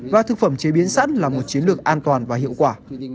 và thực phẩm chế biến sẵn là một chiến lược an toàn và hiệu quả